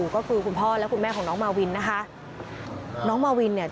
ก็คือคุณพ่อและคุณแม่ของน้องมาวินนะคะ